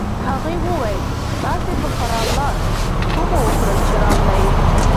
هغوی وویل: تاسي په ښه راغلاست، ښه مو وکړل چي راغلئ.